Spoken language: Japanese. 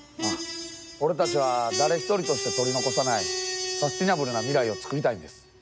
俺たちは誰ひとりとして取り残さないサステイナブルな未来をつくりたいんです。